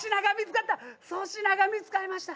粗品が見つかりました。